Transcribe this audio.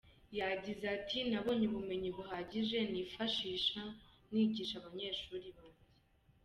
Yagize ati “Nabonye ubumenyi buhagije nifashisha nigisha abanyeshuri banjye.